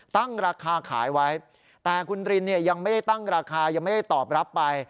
ตั้งราคาขายไว้แต่คุณรินเนี่ยยังไม่ได้ตั้งราคายังไม่ได้ตอบรับไป